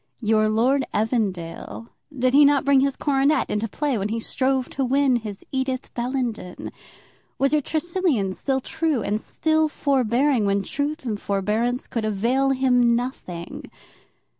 Your Lord Evandale, did he not bring his coronet into play when he strove to win his Edith Bellenden? Was your Tresilian still true and still forbearing when truth and forbearance could avail him nothing?